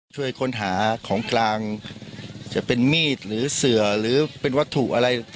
ช่วยค้นหาของกลางจะเป็นมีดหรือเสือหรือเป็นวัตถุอะไร